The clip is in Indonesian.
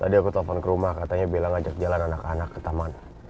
tadi aku telfon ke rumah katanya bella ngajak jalan anak anak ke taman